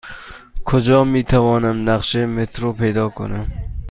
کجا می توانم نقشه مترو پیدا کنم؟